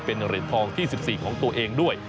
เป็นเหรียญทองที่๑๔ของตัวเองด้วย